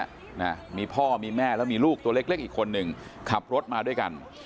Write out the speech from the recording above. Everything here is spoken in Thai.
นะมีพ่อมีแม่แล้วมีลูกตัวเล็กเล็กอีกคนนึงขับรถมาด้วยกัน